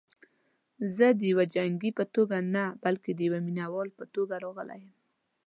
زه دیوه جنګیالي په توګه نه بلکې دیوه مینه وال په توګه راغلی یم.